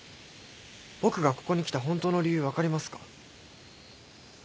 僕がここに来たホントの理由分かりますか？